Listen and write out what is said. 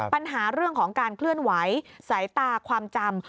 ปัญหาเรื่องของการเคลื่อนไหวสายตาความจำ